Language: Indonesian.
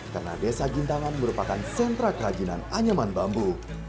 karena desa gintangan merupakan sentra kehajinan anyaman bambu